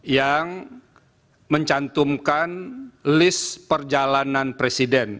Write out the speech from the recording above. yang mencantumkan list perjalanan presiden